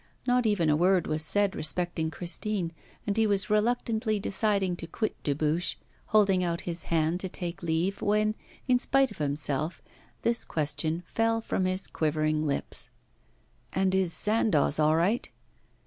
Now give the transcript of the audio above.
Not even a word was said respecting Christine, and he was reluctantly deciding to quit Dubuche, holding out his hand to take leave, when, in spite of himself, this question fell from his quivering lips: 'And is Sandoz all right?